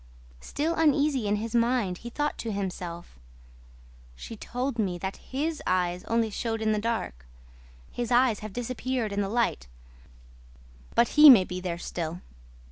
Still uneasy in his mind, he thought to himself: "She told me that HIS eyes only showed in the dark. His eyes have disappeared in the light, but HE may be there still."